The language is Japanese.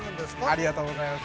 ◆ありがとうございます。